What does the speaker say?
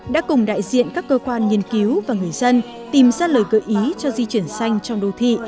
đã cùng đại diện các cơ quan nghiên cứu và người dân tìm ra lời gợi ý cho di chuyển xanh trong đô thị